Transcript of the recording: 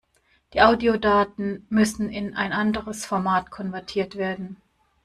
Die Audiodaten müssen in ein anderes Format konvertiert werden.